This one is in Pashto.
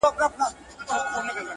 له رازونو ناخبره مو ملت دی